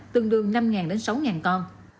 tương đương năm ngàn đến sáu ngàn con